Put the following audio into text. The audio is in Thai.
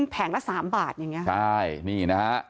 แผงละ๓บาทอย่างนี้